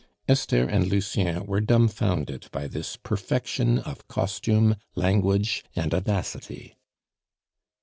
Esther and Lucien were dumfounded by this perfection of costume, language, and audacity.